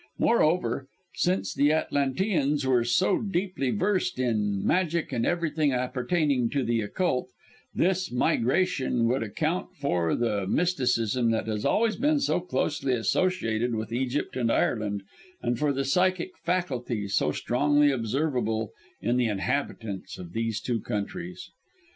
Moreover, since the Atlanteans were so deeply versed in magic and everything appertaining to the occult, this migration would account for the mysticism that has always been so closely associated with Egypt and Ireland, and for the psychic faculty so strongly observable in the inhabitants of these two countries.